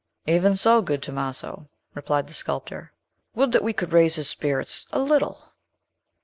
"Even so, good Tomaso," replied the sculptor. "Would that we could raise his spirits a little!"